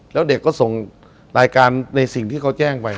แล้วเด็กก็ส่งรายการในสิ่งที่เขาแจ้งไป